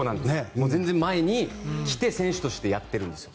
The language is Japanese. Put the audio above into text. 全然前に来て選手としてやってるんですよ。